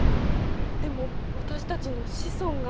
でも私たちの子孫が。